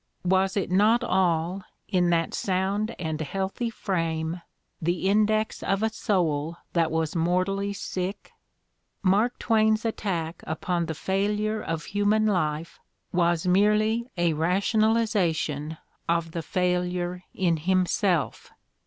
Was it not all, in that sound and healthy frame, the index of a soul that was mortally sick? Mark Twain's attack upon the failure of human life was merely a rationalization of the failure in him fSelf.